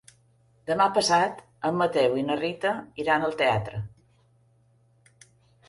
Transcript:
Demà passat en Mateu i na Rita iran al teatre.